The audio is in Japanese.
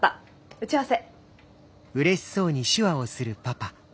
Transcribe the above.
打ち合わせ。